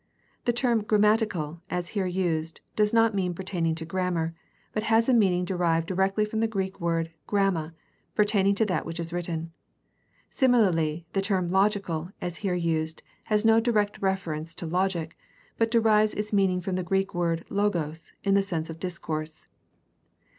The term "grammatical," as here used, does not mean pertaining to grammar, but has a meaning derived directly from the Greek word gramma, pertaining to that which is written. Similarly, the term "logical," as here used, has no direct reference to logic, but derives its meaning from the Greek word logos in the sense of discourse.